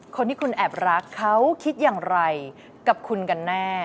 คนที่คุณแอบรักเขาคิดอย่างไรกับคุณกันแน่